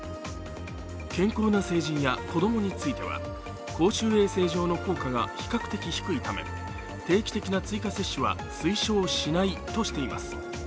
健康な成人や子供については公衆衛生上の効果が比較的低いため、定期的な追加接種は推奨しないとしています。